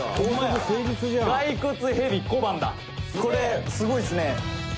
「これすごいですね」